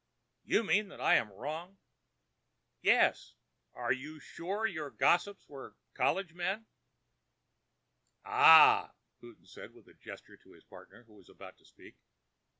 "You mean that I am wrong." "Yes. Are you sure your gossips were 'college men'?" "Ah!" Houghton made a gesture to his partner, who was about to speak.